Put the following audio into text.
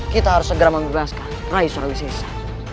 kita harus segera mengubah rai suriwisesa